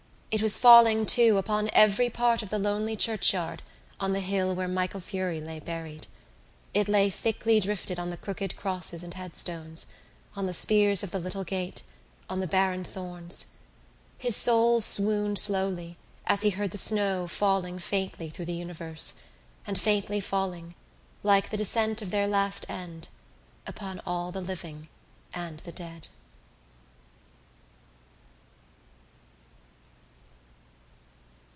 It was falling, too, upon every part of the lonely churchyard on the hill where Michael Furey lay buried. It lay thickly drifted on the crooked crosses and headstones, on the spears of the little gate, on the barren thorns. His soul swooned slowly as he heard the snow falling faintly through the universe and faintly falling, like the descent of their last end, upon all the living and the dead.